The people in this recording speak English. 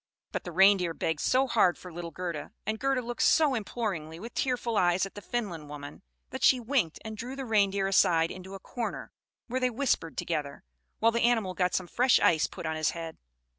But the Reindeer begged so hard for little Gerda, and Gerda looked so imploringly with tearful eyes at the Finland woman, that she winked, and drew the Reindeer aside into a corner, where they whispered together, while the animal got some fresh ice put on his head.